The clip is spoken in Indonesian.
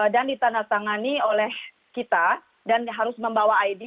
ditandatangani oleh kita dan harus membawa id